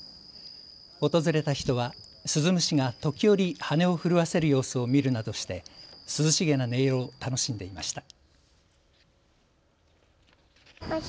訪れた人はスズムシが時折、羽を震わせる様子を見るなどして涼しげな音色を楽しんでいました。